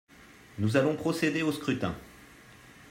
Nous allons procéder au scrutin.